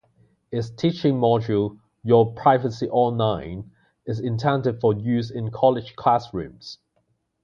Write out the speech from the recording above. Its teaching module Your Privacy Online, is intended for use in college classrooms.